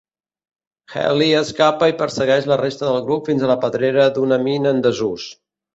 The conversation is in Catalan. Healy escapa i persegueix la resta del grup fins a la pedrera d'una mina en desús.